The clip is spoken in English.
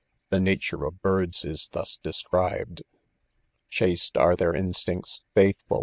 The nature of birds is thus des= ■ribed: " Chaste are their instincts, faithful.